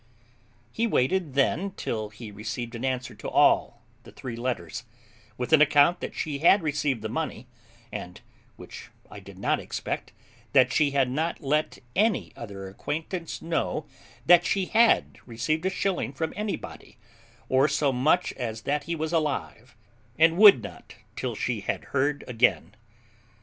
He waited then till he received an answer to all the three letters, with an account that she had received the money, and, which I did not expect, that she had not let any other acquaintance know that she had received a shilling from anybody, or so much as that he was alive, and would not till she had heard again.